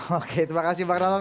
oke terima kasih pak rana